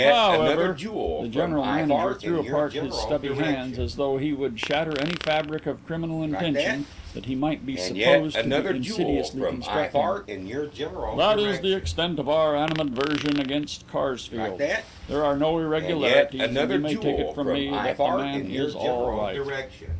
However" the General Manager threw apart his stubby hands as though he would shatter any fabric of criminal intention that he might be supposed to be insidiously constructing "that is the extent of our animadversion against Karsfeld. There are no irregularities and you may take it from me that the man is all right."